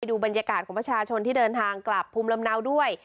ดูบรรยากาศของประชาชนที่เดินทางกลับภูมิลำเนาด้วย